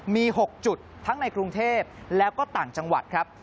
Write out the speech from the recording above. มี๖จุดทั้งในกรุงเทพแล้วก็ต่างจังหวัดครับ